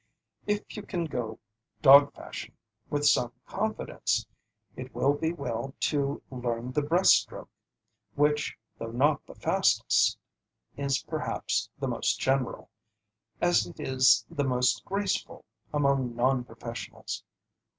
If you can go dog fashion with some confidence, it will be well to learn the "breast stroke," which, though not the fastest, is perhaps the most general, as it is the most graceful, among non professionals.